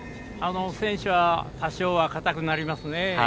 選手は多少は硬くなりますね。